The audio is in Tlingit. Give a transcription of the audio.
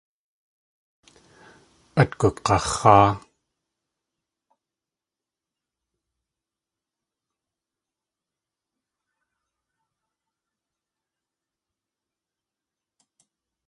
At gug̲ax̲áa.